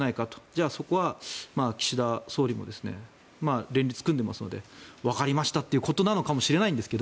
じゃあ、そこは岸田総理も連立を組んでいますのでわかりましたってことなのかもしれないですが。